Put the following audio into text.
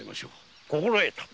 心得た。